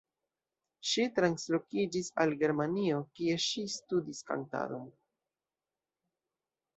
Ŝi translokiĝis al Germanio, kie ŝi studis kantadon.